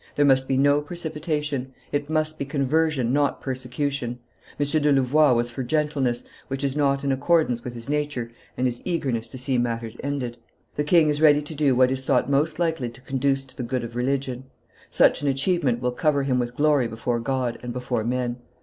There must be no precipitation; it must be conversion, not persecution. M. de Louvois was for gentleness, which is not in accordance with his nature and his eagerness to see matters ended. The king is ready to do what is thought most likely to conduce to the good of religion. Such an achievement will cover him with glory before God and before men.